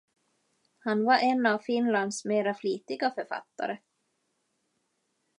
Han var en av Finlands mera flitiga författare.